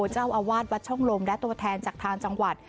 เจ้าอาวาสวัดช่องลมและตัวแทนจากทางจังหวัด